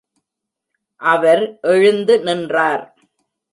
அவர் எழுந்து நின்றார்.